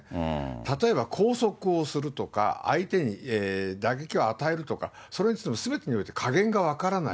例えば拘束をするとか、相手に打撃を与えるとか、それについてもすべてにおいて加減が分からない。